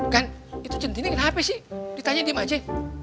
kan itu centine kenapa sih ditanya diem aja